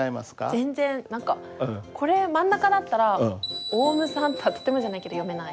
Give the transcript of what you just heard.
全然何かこれ真ん中だったら「おうむさん」とはとてもじゃないけど読めない。